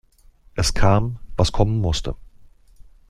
Es kam, was kommen musste.